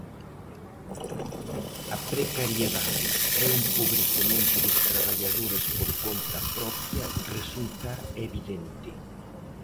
A precariedade e o empobrecemento dos traballadores por conta propia resulta evidente.